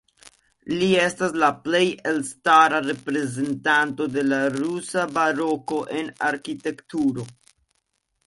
Li estas la plej elstara reprezentanto de la rusa baroko en arkitekturo.